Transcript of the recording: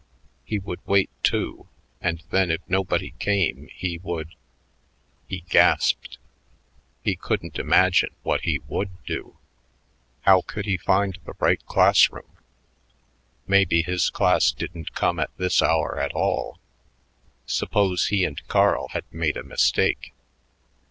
He would wait two, and then if nobody came he would he gasped; he couldn't imagine what he would do. How could he find the right class room? Maybe his class didn't come at this hour at all. Suppose he and Carl had made a mistake.